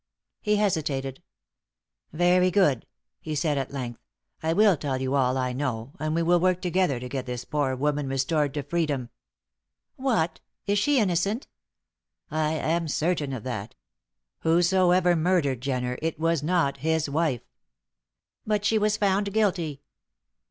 He hesitated. "Very good," he said at length. "I will tell you all I know, and we will work together to get this poor woman restored to freedom." "What? Is she innocent?" "I am certain of that. Whosoever murdered Jenner, it was not his wife." "But she was found guilty."